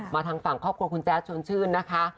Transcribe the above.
ทางฝั่งครอบครัวคุณแจ๊ดชวนชื่นนะคะ